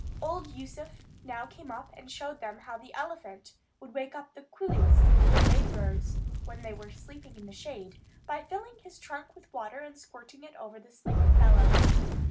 Old Yusuf now came up and showed them how the elephant would wake up the coolies, or labourers, when they were sleeping in the shade, by filling his trunk with water and squirting it over the sleeping fellows.